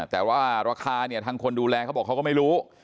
แต่ว่าราคาเนี่ยทางคนดูแลเขาบอกเขาก็ไม่รู้